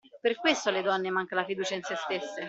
Per questo alle donne manca la fiducia in se stesse.